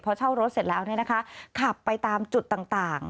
พอเช่ารถเสร็จแล้วเนี่ยนะคะขับไปตามจุดต่าง